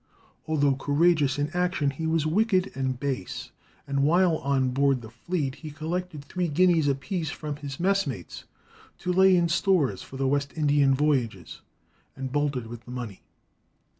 Although courageous in action, he was "wicked and base;" and while on board the fleet he collected three guineas apiece from his messmates to lay in stores for the West Indian voyages, and bolted with the money.